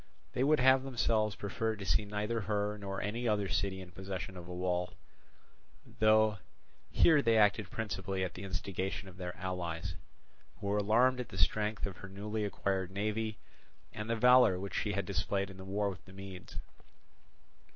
They would have themselves preferred to see neither her nor any other city in possession of a wall; though here they acted principally at the instigation of their allies, who were alarmed at the strength of her newly acquired navy and the valour which she had displayed in the war with the Medes.